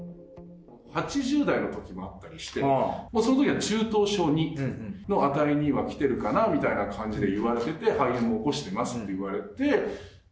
８０台のときもあったりして、もうそのときは中等症２の値には来てるかなみたいな感じで言われてて、肺炎も起こしてますって言われて。